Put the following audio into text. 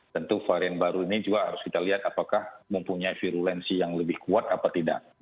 tentu varian baru ini juga harus kita lihat apakah mempunyai virulensi yang lebih kuat apa tidak